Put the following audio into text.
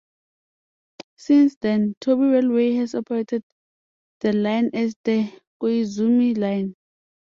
Since then Tobu Railway has operated the line as the Koizumi Line.